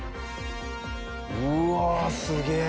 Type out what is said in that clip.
うわあすげえ。